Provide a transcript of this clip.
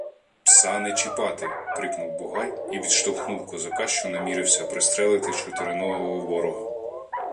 — Пса не чіпати! — крикнув Бугай і відштовхнув козака, що намірився пристрелити чотириногого ворога.